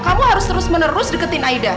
kamu harus terus menerus deketin aida